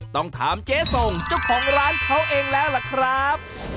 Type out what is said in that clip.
ต้องถามเจ๊ส่งเจ้าของร้านเขาเองแล้วล่ะครับ